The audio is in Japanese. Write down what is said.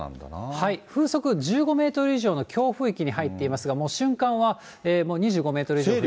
風速１５メートル以上の強風域に入っていますが、もう瞬間はもう２５メートル以上です。